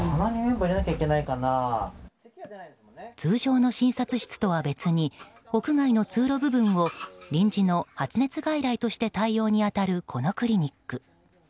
通常の診察室とは別に屋外の通路部分を臨時の発熱外来として対応に当たるこのクリニック。